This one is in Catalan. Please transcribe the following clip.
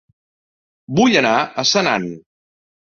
Vull anar a Senan